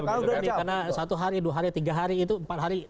karena satu hari dua hari tiga hari itu empat hari